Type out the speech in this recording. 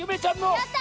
やった！